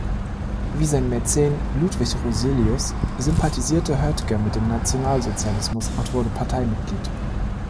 Wie sein Mäzen Ludwig Roselius sympathisierte Hoetger mit dem Nationalsozialismus und wurde Parteimitglied.